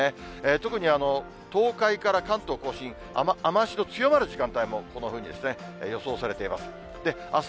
特に東海から関東甲信、雨足の強まる時間帯もこんなふうに予想されています。